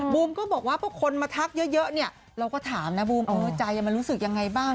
ก็บอกว่าพอคนมาทักเยอะเนี่ยเราก็ถามนะบูมใจมันรู้สึกยังไงบ้าง